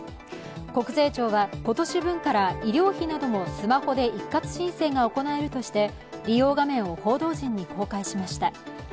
国税庁は今年分から医療費などもスマホで一括申請が行えるとして利用画面を報道陣に公開しました。